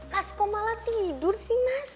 mas kau malah tidur sih mas